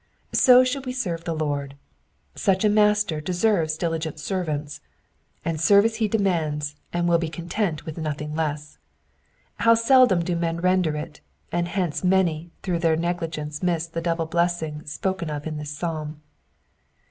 So should we serve the Lord. Such a Master deserves diligent servants ; such service he demands, and will be content with nothing less. How seldom do men render it, and hence many through their negligence miss the' double blessing spoken of in this psalm.